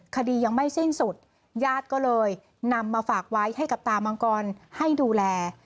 คดียังไม่สิ้นสุดญาติก็เลยนำมาฝากไว้ให้กับตามังกรให้ดูแล